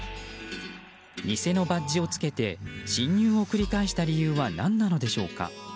偽のバッジをつけて侵入を繰り返した理由は何なのでしょうか。